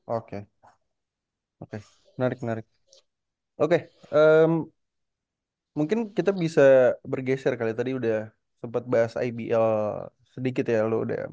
oke oke menarik menarik oke mungkin kita bisa bergeser kali tadi udah sempat bahas ibl sedikit ya lo udah